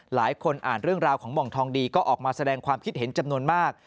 หลายคนอ่านเรื่องราวของหม่องทองดีก็ออกมาแสดงความคิดเห็นจำนวนมาก